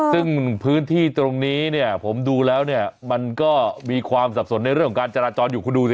ซึ่งพื้นที่ตรงนี้เนี่ยผมดูแล้วเนี่ยมันก็มีความสับสนในเรื่องของการจราจรอยู่คุณดูสิ